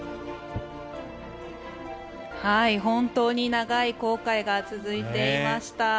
本当に長い航海が続いていました。